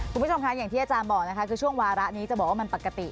คุณผู้ชมค่ะอย่างที่อาจารย์บอกนะคะคือช่วงวาระนี้จะบอกว่ามันปกติ